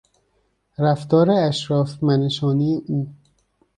رفتار اشراف منشانهی او